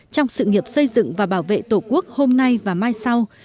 trong sự nghiệp xây dựng và bảo vệ tổ quốc hôm nay và mai sau